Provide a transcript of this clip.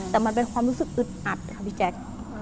แต่มันเป็นความรู้สึกอึดอัดค่ะพี่แจ๊ค